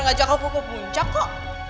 ngajak aku ke puncak kok